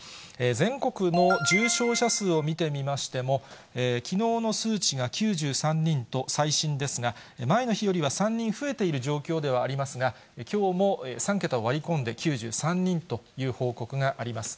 全国の重症者数を見てみましても、きのうの数値が９３人と最新ですが、前の日よりは３人増えている状況ではありますが、きょうも３桁を割り込んで、９３人という報告があります。